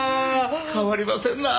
変わりませんなあ。